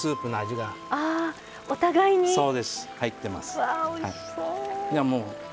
わあおいしそう。